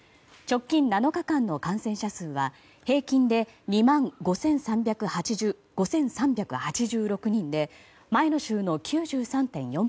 直近７日間の感染者数は平均で２万５３８６人で前の週の９３．４％です。